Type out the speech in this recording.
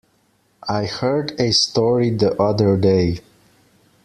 I heard a story the other day.